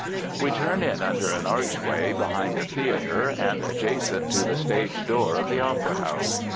We turn in under an archway behind a theatre and adjacent to the stage door of the Opera House.